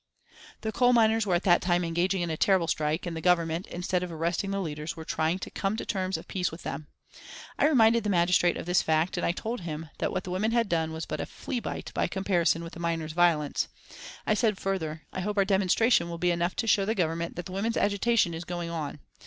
The coal miners were at that time engaging in a terrible strike, and the Government, instead of arresting the leaders, were trying to come to terms of peace with them. I reminded the magistrate of this fact, and I told him that what the women had done was but a fleabite by comparison with the miners' violence. I said further: "I hope our demonstration will be enough to show the Government that the women's agitation is going on.